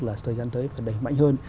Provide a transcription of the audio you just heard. là thời gian tới phải đẩy mạnh hơn